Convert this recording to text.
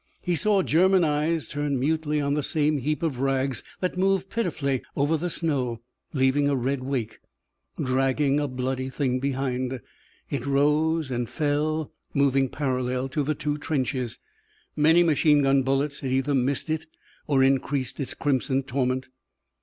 He saw German eyes turned mutely on the same heap of rags that moved pitifully over the snow, leaving a red wake, dragging a bloody thing behind. It rose and fell, moving parallel to the two trenches. Many machine gun bullets had either missed it or increased its crimson torment.